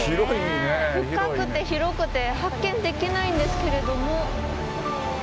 深くて広くて発見できないんですけれども。